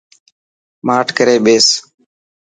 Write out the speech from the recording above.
ماٺ ڪري ٻيس.